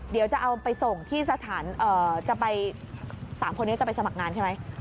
เดี๋ยวจะเอาไปส่งที่สถานจะไป๓คนนี้จะไปสมัครงานใช่ไหม